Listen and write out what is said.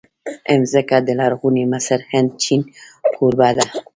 مځکه د لرغوني مصر، هند، چین کوربه ده.